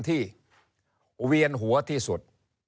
เวียนหัวที่สุด